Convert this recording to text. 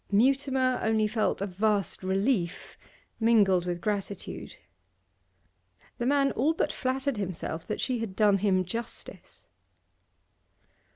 Mutimer only felt a vast relief, mingled with gratitude. The man all but flattered himself that she had done him justice.